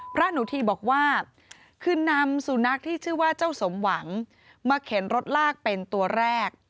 พระหนูทีบอกว่าคือนำสุนัขที่ชื่อว่าเจ้าสมหวังมาเข็นรถลากเป็นตัวแรก